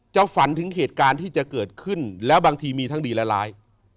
ฝันถึงเหตุการณ์ที่จะเกิดขึ้นแล้วบางทีมีทั้งดีและร้าย